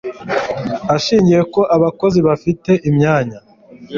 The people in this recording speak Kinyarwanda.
Ishingiye ko abakozi bafite umwanya